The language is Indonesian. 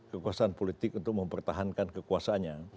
kekuasaan politik untuk mempertahankan kekuasaannya